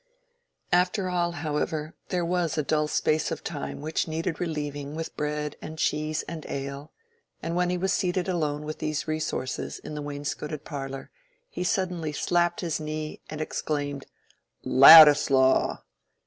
After all, however, there was a dull space of time which needed relieving with bread and cheese and ale, and when he was seated alone with these resources in the wainscoted parlor, he suddenly slapped his knee, and exclaimed, "Ladislaw!"